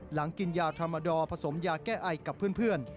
กินยาธรรมดอผสมยาแก้ไอกับเพื่อน